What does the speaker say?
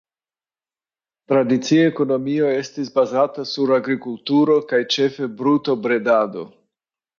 Tradicia ekonomio estis bazata sur agrikulturo kaj ĉefe brutobredado.